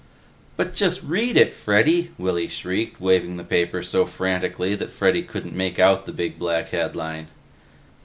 "But just read it, Freddy," Willy shrieked, waving the paper so frantically that Freddy couldn't make out the big black headline.